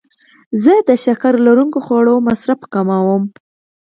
زه د شکر لرونکو خوړو مصرف کموم.